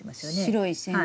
白い線が。